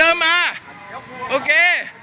เดินมา